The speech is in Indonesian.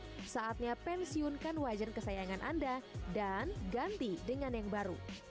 jika ada goresan saatnya pensiunkan wajan kesayangan anda dan ganti dengan yang baru